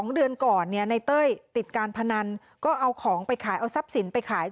๒เดือนก่อนในเต้ยติดการพนันก็เอาของไปขายเอาทรัพย์สินไปขาย